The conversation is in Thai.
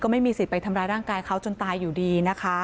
ไม่มีสิทธิ์ไปทำร้ายร่างกายเขาจนตายอยู่ดีนะคะ